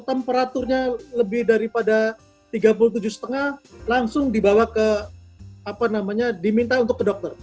temperaturnya lebih daripada tiga puluh tujuh lima langsung dibawa ke apa namanya diminta untuk ke dokter